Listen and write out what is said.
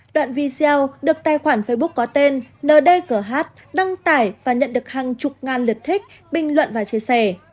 đoạn video được tài khoản facebook có tên ndg đăng tải và nhận được hàng chục ngàn lượt thích bình luận và chia sẻ